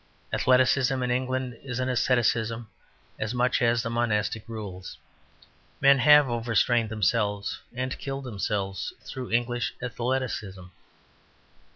Athleticism in England is an asceticism, as much as the monastic rules. Men have over strained themselves and killed themselves through English athleticism.